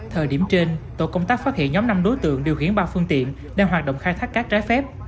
thời điểm trên tội công tác phát hiện nhóm năm đối tượng điều khiển ba phương tiện đang hoạt động khai thác cát trái phép